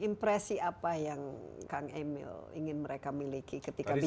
impresi apa yang kang emil ingin mereka miliki ketika bisa